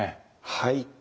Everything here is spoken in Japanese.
はい。